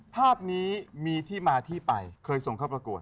ภาพนี้มีที่มาที่ไปเคยส่งเข้าประกวด